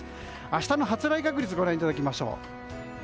明日の発雷確率ご覧いただきましょう。